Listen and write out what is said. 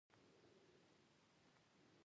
انسانیت زده کړئ! کنې انسان هر څوک دئ!